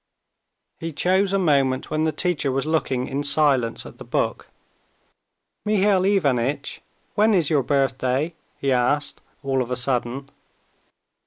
He chose a moment when the teacher was looking in silence at the book. "Mihail Ivanitch, when is your birthday?" he asked all, of a sudden.